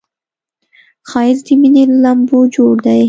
ښایست د مینې له لمبو جوړ دی